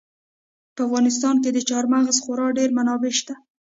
په افغانستان کې د چار مغز خورا ډېرې منابع شته دي.